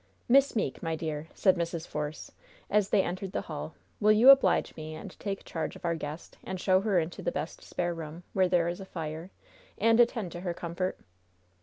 "Miss Meeke, my dear," said Mrs. Force, as they entered the hall, "will you oblige me and take charge of our guest, and show her into the best spare room, where there is a fire, and attend to her comfort?